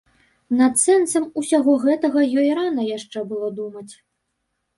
Над сэнсам усяго гэтага ёй рана яшчэ было думаць.